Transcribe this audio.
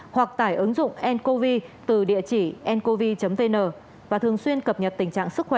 hoặc tải ứng dụng ncovi từ địa chỉ ncovi vn và thường xuyên cập nhật tình trạng sức khỏe